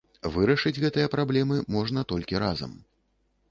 Вырашыць гэтыя праблемы можна толькі разам.